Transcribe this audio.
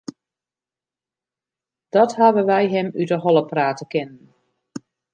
Dat hawwe wy him út 'e holle prate kinnen.